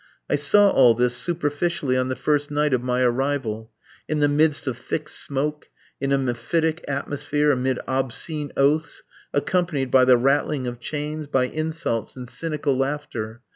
I saw all this superficially on the first night of my arrival, in the midst of thick smoke, in a mephitic atmosphere, amid obscene oaths, accompanied by the rattling of chains, by insults, and cynical laughter.